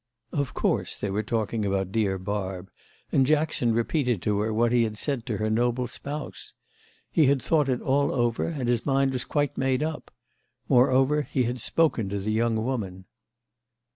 Of course they were talking about dear Barb, and Jackson repeated to her what he had said to her noble spouse. He had thought it all over and his mind was quite made up. Moreover, he had spoken to the young woman.